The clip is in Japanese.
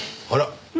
あら！